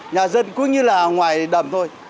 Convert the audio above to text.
nhà dân cũng như là ngoài đầm thôi